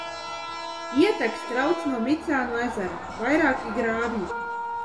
Ietek strauts no Micānu ezera, vairāki grāvji.